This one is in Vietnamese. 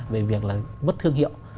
về việc là mất thương hiệu